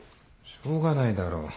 しょうがないだろ。